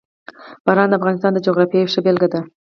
باران د افغانستان د جغرافیې یوه ښه بېلګه ده.